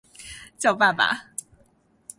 叫爸爸